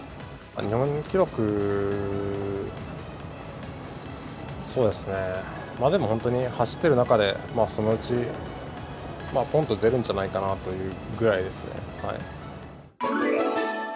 日本記録、そうですね、でも本当に走ってる中で、そのうち、ぽんと出るんじゃないかなというぐらいですね。